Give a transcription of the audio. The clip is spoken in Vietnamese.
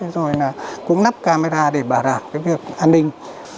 rồi cũng nắp camera để bảo đảm việc an ninh